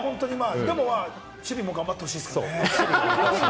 でも、チリも頑張ってほしいですよね。